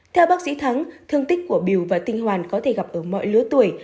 theo bác sĩ thắng thương tích của biêu và tinh hoàn có thể gặp ở mọi lứa tuổi